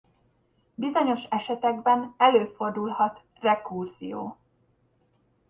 Bizonyos esetekben előfordulhat rekurzió.